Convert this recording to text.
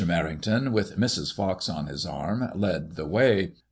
Merrington, with Mrs. Pox on his arm, led the way.